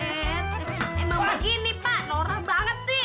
eh terus emang begini pak norah banget sih